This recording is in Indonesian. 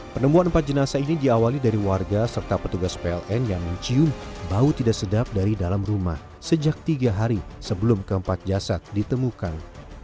penemuan empat jenazah ini diawali dari warga serta petugas pln yang mencium bau tidak sedap dari dalam rumah sejak tiga hari sebelum keempat jasad ditemukan